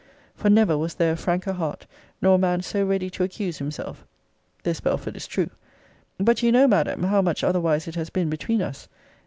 For never was there a franker heart; nor a man so ready to accuse himself. [This, Belford, is true.] But you know, Madam, how much otherwise it has been between us.